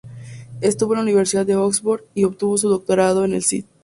Estudió en la Universidad de Oxford y obtuvo su doctorado en el St.